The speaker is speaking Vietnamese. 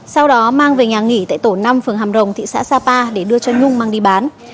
sau đó mang về nhà nghỉ tại tổ năm phường hàm rồng thị xã sapa để đưa cho nhung mang đi bán